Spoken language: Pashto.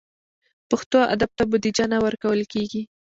پښتو ادب ته بودیجه نه ورکول کېږي.